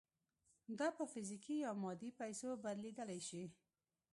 دا په فزیکي یا مادي پیسو بدلېدای شي